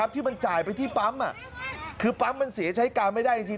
ที่มันจ่ายไปที่ปั๊มคือปั๊มมันเสียใช้การไม่ได้จริง